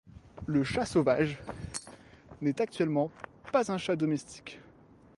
Le chat sauvage est n'est pas un chat domestique